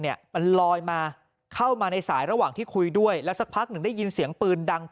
มันลอยมาเข้ามาในสายระหว่างที่คุยด้วยแล้วสักพักหนึ่งได้ยินเสียงปืนดัง